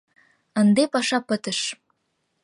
Ынде паша пытыш!